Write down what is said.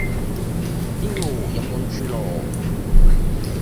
哎唷，陰公豬咯